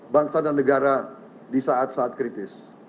bangsa dan negara di saat saat kritis